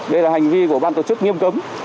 đây là hành vi của ban tổ chức nghiêm cấm